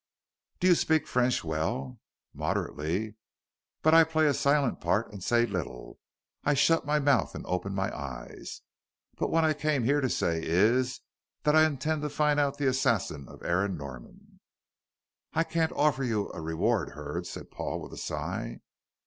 "Do you speak French well?" "Moderately. But I play a silent part and say little. I shut my mouth and open my eyes. But what I came here to say is, that I intend to find out the assassin of Aaron Norman." "I can't offer you a reward, Hurd," said Paul, with a sigh.